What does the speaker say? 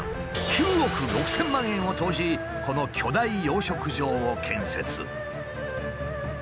９億６，０００万円を投じこの巨大養殖場を建設。